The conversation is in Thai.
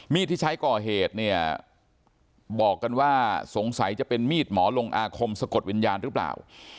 ที่ใช้ก่อเหตุเนี่ยบอกกันว่าสงสัยจะเป็นมีดหมอลงอาคมสะกดวิญญาณหรือเปล่า